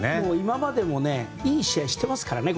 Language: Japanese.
今までもいい試合してますから。